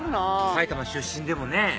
埼玉出身でもね